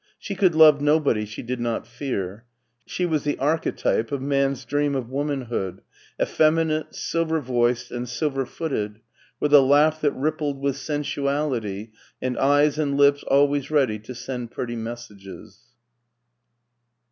She could love nobody she did not fear; she was the archetype of man's dream of womanhood — effeminate, silver voiced, and silver footed, with a laugh that rippled with sensuality and eyes and lips always ready to send pretty messages.